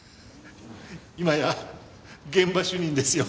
今や現場主任ですよ。